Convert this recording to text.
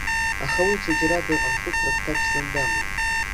Аха уи аҽаџьара дыҟан, хәыцрак дҭаршәӡан даман.